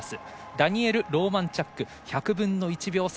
ダニエル・ローマンチャック１００分の１秒差。